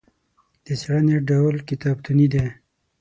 د څېړنې ډول کتابتوني دی.